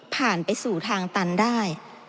ผ่านไปสู่ทางตันได้